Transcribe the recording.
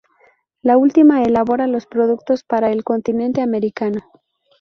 La última elabora los productos para el continente americano.